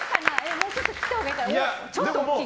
もうちょっと切ったほうがいいかな。